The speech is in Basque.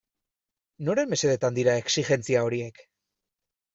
Noren mesedetan dira exijentzia horiek?